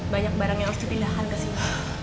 banyak barang yang harus dipindahkan ke sini